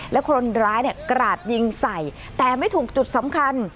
และคนร้ายกราดยิงใส่แต่ไม่ถูกจุดสำคัญ